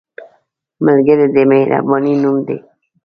ملګری د مهربانۍ نوم دی